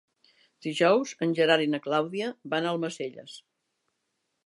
Dijous en Gerard i na Clàudia van a Almacelles.